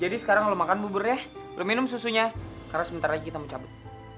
jadi sekarang lo makan bubur ya lo minum susunya karena sebentar lagi kita mau cabut